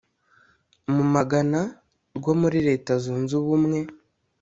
mu magana rwo muri Leta Zunze Ubumwe